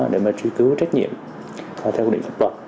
để trí cứu trách nhiệm theo địa pháp luật